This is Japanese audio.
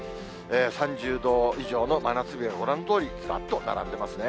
３０度以上の真夏日がご覧のとおり、ずらっと並んでますね。